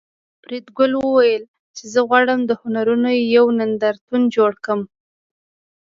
فریدګل وویل چې زه غواړم د هنرونو یو نندارتون جوړ کړم